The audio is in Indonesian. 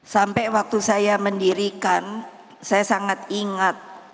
sampai waktu saya mendirikan saya sangat ingat